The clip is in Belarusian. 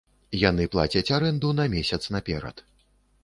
Яны плацяць арэнду на месяц наперад.